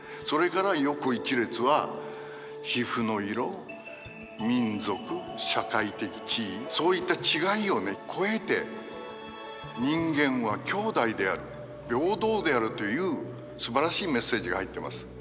それから横一列は皮膚の色民族社会的地位そういった違いをね超えて人間は兄弟である平等であるというすばらしいメッセージが入ってます。